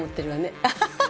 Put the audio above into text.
アハハハハ。